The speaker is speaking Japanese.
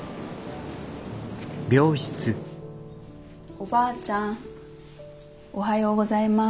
おばあちゃんおはようございます。